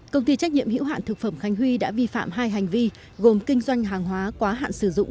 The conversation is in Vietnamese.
công ty trách nhiệm hữu hạn thực phẩm khánh huy đã vi phạm hai hành vi gồm kinh doanh hàng hóa quá hạn sử dụng